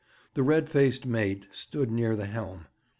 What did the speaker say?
The red faced mate stood near the helm.